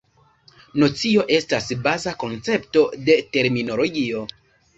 Nocio estas baza koncepto de terminologio.